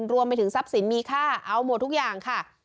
รวมไปถึงทรัพย์สินมีค่าเอาหมดทุกอย่างค่ะ